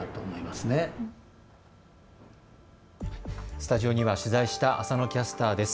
スタジオには取材した浅野キャスターです。